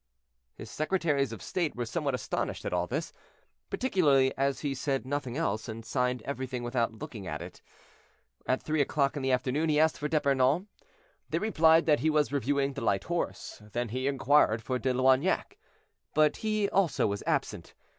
His secretaries of state were somewhat astonished at all this, particularly as he said nothing else, and signed everything without looking at it. At three o'clock in the afternoon he asked for D'Epernon. They replied that he was reviewing the light horse; then he inquired for De Loignac, but he also was absent.